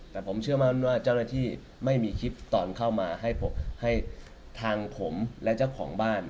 แต่ผมเชื่อมั่นว่าเจ้าหน้าที่ไม่มีคลิปตอนเข้ามาให้ทางผมและเจ้าของบ้าน